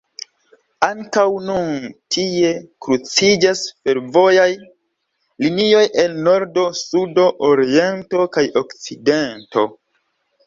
Ankaŭ nun tie kruciĝas fervojaj linioj el nordo, sudo, oriento kaj okcidento.